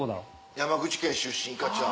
山口県出身いかちゃん。